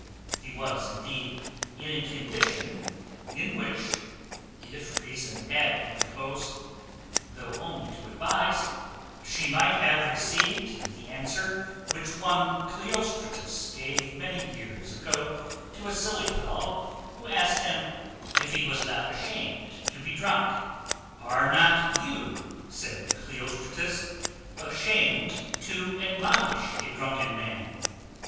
He was, indeed, in a condition, in which, if reason had interposed, though only to advise, she might have received the answer which one Cleostratus gave many years ago to a silly fellow, who asked him, if he was not ashamed to be drunk? "Are not you," said Cleostratus, "ashamed to admonish a drunken man?"